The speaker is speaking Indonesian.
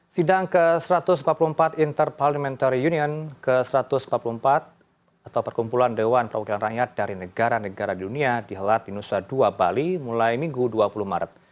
sidang ke satu ratus empat puluh empat interparliamentary union ke satu ratus empat puluh empat atau perkumpulan dewan perwakilan rakyat dari negara negara di dunia dihelat di nusa dua bali mulai minggu dua puluh maret